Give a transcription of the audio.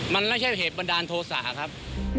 มันไม่ใช่เหตุบันดาลโทษะครับ